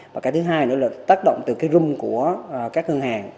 và cái thứ hai nữa là tác động từ cái room của các ngân hàng